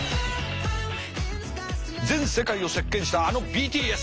全世界を席けんしたあのＢＴＳ！